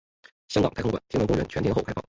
香港太空馆天文公园全天候开放。